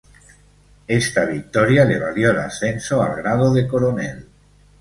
Esta victoria le valió el ascenso al grado de coronel.